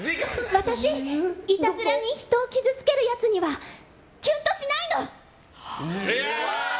私、いたずらに人を傷つけるやつにはキュンとしないの！